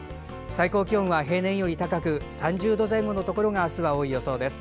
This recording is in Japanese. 最高気温は平年より高く３０度前後のところが明日は多い予想です。